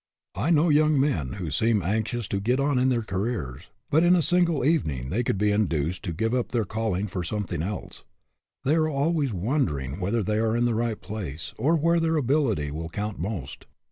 I know young men who seem anxious to get on in their careers, but in a single evening they could be induced to give up their calling for something else. They are always wonder ing whether they are in the right place, or where their ability will count most.